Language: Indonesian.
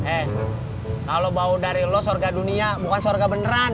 eh kalau bau dari los surga dunia bukan surga beneran